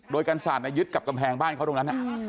โดยกันสาดยึดกับกำแพงบ้านเขาตรงนั้น